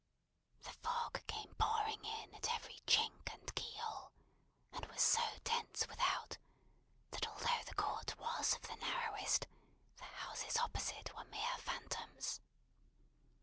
The fog came pouring in at every chink and keyhole, and was so dense without, that although the court was of the narrowest, the houses opposite were mere phantoms.